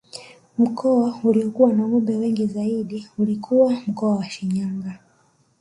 Mkoa uliokuwa na ngombe wengi zaidi ulikuwa mkoa wa Shinyanga